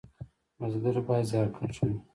بزګر باید زیارکښ وي